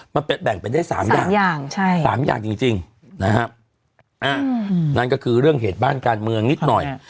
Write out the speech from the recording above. มันแบ่งเป็นได้๓อย่าง๓อย่างจริงนะฮะนั่นก็คือเรื่องเหตุบ้านการเมืองนิดหน่อย